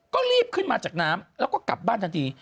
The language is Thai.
ก็รีบขึ้นมาจากน้ำแล้วก็กลับบ้านทันที